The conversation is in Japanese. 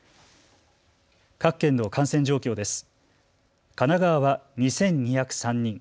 各県の感染状況です。